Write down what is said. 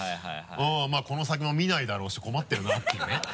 この先も見ないだろうし困ってるなっていうね。